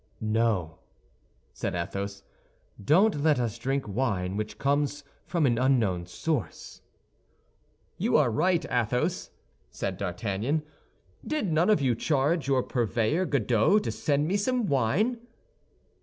"No," said Athos; "don't let us drink wine which comes from an unknown source." "You are right, Athos," said D'Artagnan. "Did none of you charge your purveyor, Godeau, to send me some wine?"